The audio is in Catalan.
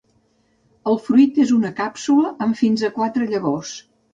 El fruit és una càpsula amb fins a quatre llavors.